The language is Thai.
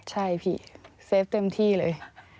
ใช่พี่เซฟเต็มที่เลย